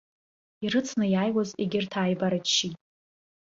Ирыцны иааиуаз егьырҭ ааибарччеит.